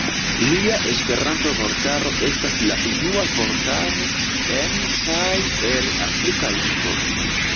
Lia Esperanto-vortaro estas la unua vortaro en kaj el afrika lingvo.